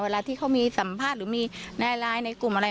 เวลาที่เขามีสัมภาษณ์หรือมีในไลน์ในกลุ่มอะไร